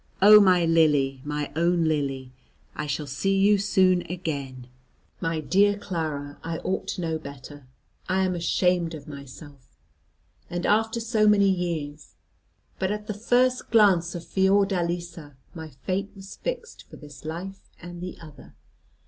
Oh, my Lily, my own Lily, I shall see you soon again. My dear Clara, I ought to know better. I am ashamed of myself. And after so many years! But at the first glance of Fiordalisa, my fate was fixed for this life and the other.